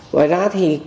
ngoài ra thì